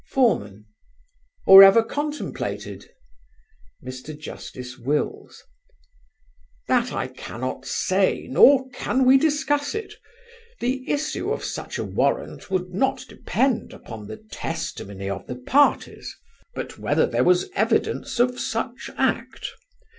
Foreman: "Or ever contemplated?" Mr. Justice Wills: "That I cannot say, nor can we discuss it. The issue of such a warrant would not depend upon the testimony of the parties, but whether there was evidence of such act.